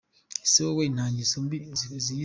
Ese wowe nta ngeso mbi wiyiziho?.